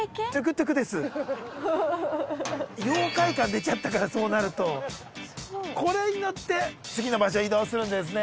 妖怪感出ちゃったからそうなるとこれに乗って次の場所へ移動するんですね